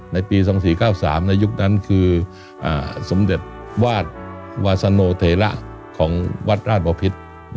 ในปี๒๔๙๓ในยุคนั้นคือสมเด็จวาดวาสโนเทระของวัดราชบพิษ